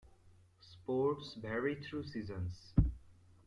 Sports vary through seasons.